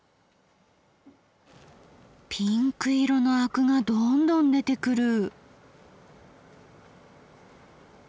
ピンク色のアクがどんどん出てくる。